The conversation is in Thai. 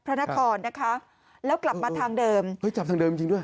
พระนครนะคะแล้วกลับมาทางเดิมเฮ้ยจับทางเดิมจริงจริงด้วย